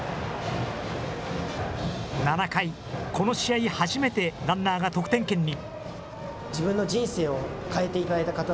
７回、この試合初めてランナーが得点圏に。